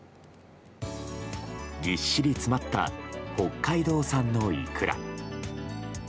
ぎっしり詰まった北海道産のイクラ。